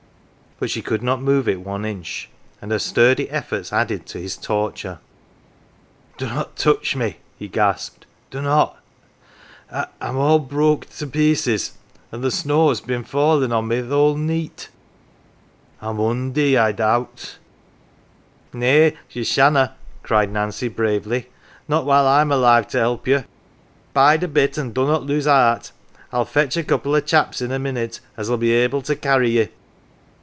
But she could not move it one inch, and her sturdy efforts added to his torture. " Dunnot touch me !" he gasped, " dunnot ! Fin all 84 NANCY broke to pieces an' the snow's been fallin' on me th' whole neet. I mun dee, I doubt." " Nay, ye shanna !" cried Nancy, bravely. " Not while I'm alive to help you. Bide a bit an 1 dunnot lose "cart. I'll fetch a couple o' chaps in a minute as'll be able to carry ye."